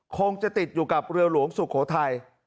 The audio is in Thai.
คงจะติดอยู่กับเรือหลวงสุโขทัย